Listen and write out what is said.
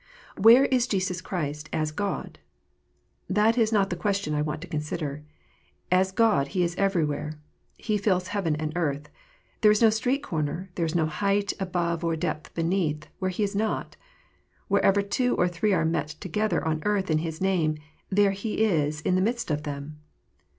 Where is Jesus Christ, as God ? That is not the question I want to consider. As God He is everywhere. He fills heaven and earth. There is no secret corner, there is no height above or depth beneath where He is not. Wherever two or three are met together on earth in His name, there is He in the midst of them.